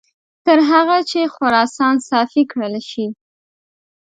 تر هغه چې خراسان صافي کړل شي.